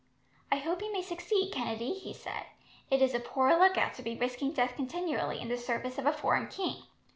"I hope you may succeed, Kennedy," he said. "It is a poor lookout to be risking death continually in the service of a foreign king.